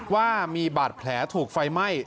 ว่ามีบาดแผลถูกไฟไหม้